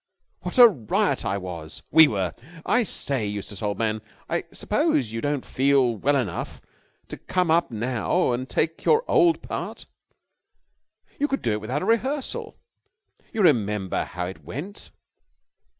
What a riot I was we were! I say, Eustace, old man, I suppose you don't feel well enough to come up now and take your old part? You could do it without a rehearsal. You remember how it went